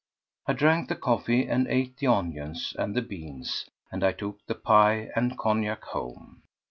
I drank the coffee and ate the onions and the beans, and I took the pie and cognac home.